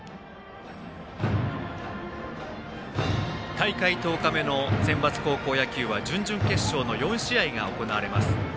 大会１０日目のセンバツ高校野球は準々決勝の４試合が行われます。